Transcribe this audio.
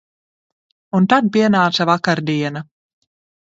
Un tad pienāca vakardiena.